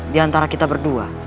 di antara kita berdua